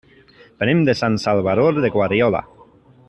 Venim de Sant Salvador de Guardiola.